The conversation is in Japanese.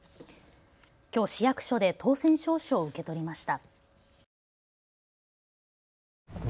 きょう市役所で当選証書を受け取りました。